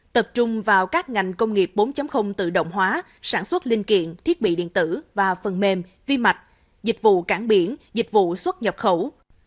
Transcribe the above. tập trung vào các ngành công nghiệp bốn tự động hóa sản xuất linh kiện thiết bị điện tử và phần mềm vi mạch dịch vụ cảng biển dịch vụ xuất nhập khẩu